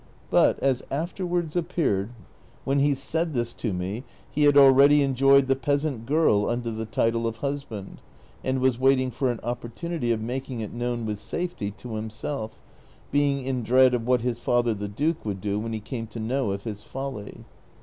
But, as afterwards ap^jearcd, when he said this to me lie liad already enjoyed the peasant girl under the title of husband, and was waiting for an opportunity of making it known with safety to himself, being in dread of what his father the duke would do Avhen he came to know of his folly.